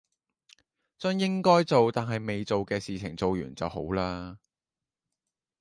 將應該做但係未做嘅事情做完就好啦